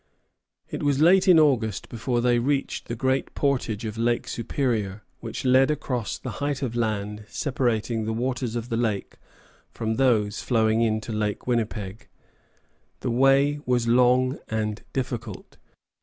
It was late in August before they reached the great portage of Lake Superior, which led across the height of land separating the waters of that lake from those flowing to Lake Winnipeg. The way was long and difficult.